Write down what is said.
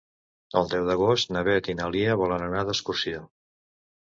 El deu d'agost na Beth i na Lia volen anar d'excursió.